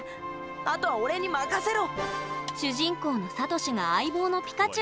あとは俺に任せろ。